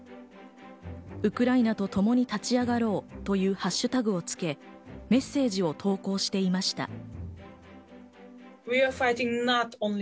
ウクライナにともに立ち上がろうというハッシュタグをつけ、メッセージを投稿していました。